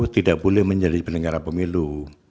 tidak boleh menjadi penyelenggara pemilu